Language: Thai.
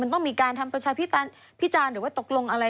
ต้องมีการทำประชาพิจารณ์หรือว่าตกลงอะไร